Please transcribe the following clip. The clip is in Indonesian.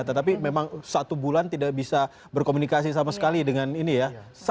tetapi memang satu bulan tidak bisa berkomunikasi sama sekali dengan ini ya